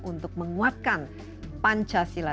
untuk menguatkan pancasila